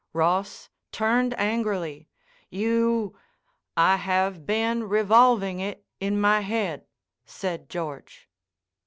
Ross turned angrily. "You—" "I have been revolving it in my head," said George.